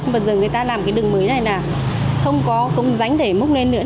bây giờ người ta làm cái đường mới này là không có công rãnh để múc lên nữa